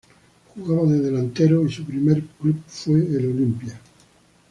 Jugaba de delantero y su primer club fue el Olimpia.